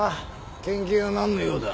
県警が何の用だ。